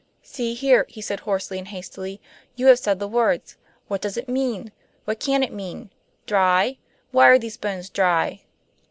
"See here," he said hoarsely and hastily. "You have said the word. What does it mean? What can it mean? Dry? Why are these bones dry?"